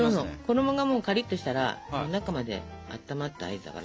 衣がもうカリッとしたら中まであったまった合図だから。